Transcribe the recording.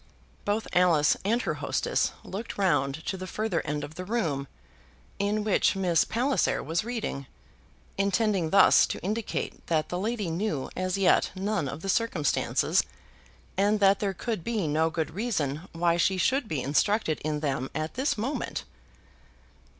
Both Alice and her hostess looked round to the further end of the room in which Miss Palliser was reading, intending thus to indicate that the lady knew as yet none of the circumstances, and that there could be no good reason why she should be instructed in them at this moment.